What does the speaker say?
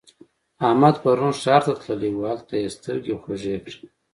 احمد پرون ښار ته تللی وو؛ هلته يې سترګې خوږې کړې.